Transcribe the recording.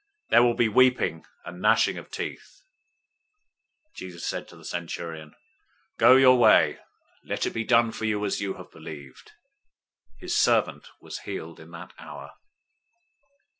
There will be weeping and gnashing of teeth." 008:013 Jesus said to the centurion, "Go your way. Let it be done for you as you have believed." His servant was healed in that hour.